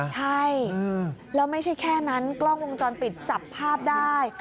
ใช่แล้วไม่ใช่แค่นั้นกล้องวงจรปิดจับภาพได้